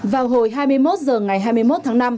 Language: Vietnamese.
vào hồi hai mươi một h ngày hai mươi một tháng năm